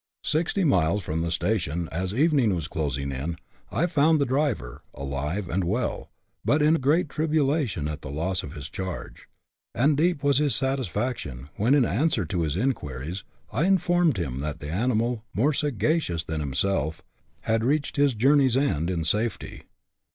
Sixty miles from the station, as evening was closing in, I found the driver, alive and well, but in great tribulation at the loss of his charge ; and deep was his satisfaction when, in answer to his inquiries, I informed him that the animal, more sagacious than himself, had reached his journey's end in safety.